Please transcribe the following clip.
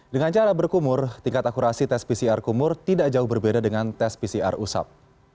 dengan cara berkumur tingkat akurasi tes pcr kumur tidak jauh berbeda dengan tes pcr usap